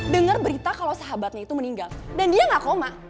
dengar berita kalau sahabatnya itu meninggal dan dia gak koma